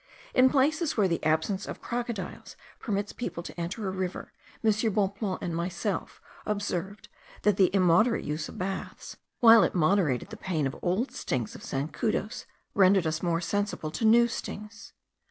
In places where the absence of crocodiles permits people to enter a river, M. Bonpland and myself observed that the immoderate use of baths, while it moderated the pain of old stings of zancudos, rendered us more sensible to new stings.